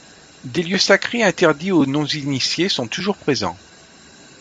Des lieux sacrés, interdits aux non-initiés sont toujours présents.